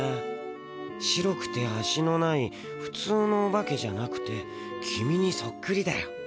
白くて足のないふつうのオバケじゃなくてキミにそっくりだよ。